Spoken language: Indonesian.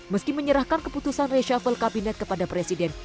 meski menyerahkan keputusan reshuffle kabinet kepada presiden